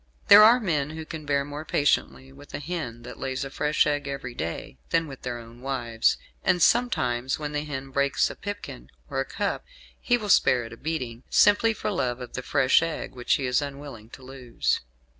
"There are men who can bear more patiently with a hen that lays a fresh egg every day than with their own wives; and sometimes when the hen breaks a pipkin or a cup he will spare it a beating, simply for love of the fresh egg which he is unwilling to lose.